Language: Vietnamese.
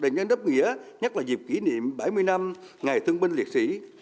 nghĩa nhất là dịp kỷ niệm bảy mươi năm ngày thương binh liệt sĩ